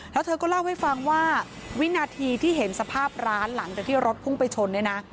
แล้วเธอก็เล่าให้ฟังว่าวินาทีที่เห็นสภาพร้านหลังจากที่รถพุ่งไปชนเนี่ยนะ